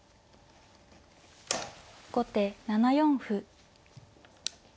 後手７四歩。